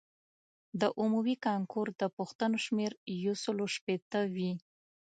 د عمومي کانکور د پوښتنو شمېر یو سلو شپیته وي.